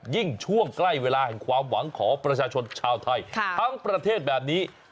ยิ่งช่วงใกล้เวลาแห่งความหวังของประชาชนชาวไทยทั้งประเทศแบบนี้